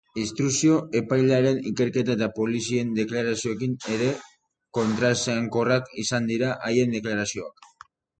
Instrukzio-epailearen ikerketa eta polizien deklarazioekin ere kontraesankorrak izan dira haien deklarazioak.